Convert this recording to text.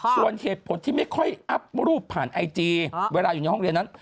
ส่วนเหตุผลที่ไม่ค่อยอัพรูปผ่านไอจีเวลาอยู่ในห้องเรียนนั้น